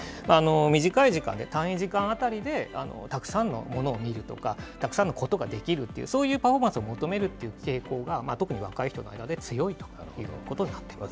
短い時間で、単位時間当たりでたくさんのものを見るとか、たくさんのことができるという、そういうパフォーマンスを求めるという傾向が、特に若い人の間で強いということになっています。